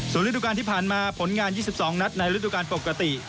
ส่วนฤดูการที่ผ่านมาผลงาน๒๒นัดในฤดูการปกติ